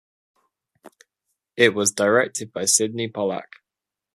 It was directed by Sydney Pollack.